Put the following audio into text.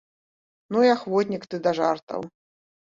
Ну і ахвотнік ты да жартаў!